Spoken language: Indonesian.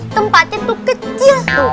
tempatnya tuh kecil tuh